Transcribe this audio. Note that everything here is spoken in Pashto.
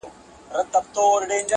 او راته وايي دغه~